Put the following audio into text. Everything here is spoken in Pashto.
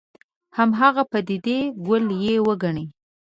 هماغه پدیدې کُل یې وګڼي.